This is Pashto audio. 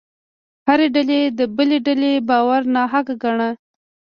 هره ډلې د بلې ډلې باور ناحقه ګاڼه.